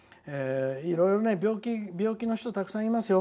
いろいろ病気の人はたくさんいますよ。